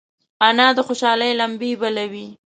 انا د خوشحالۍ لمبې بلوي